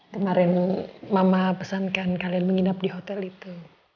kemarin mama pesankan kalian menginap di hotel itu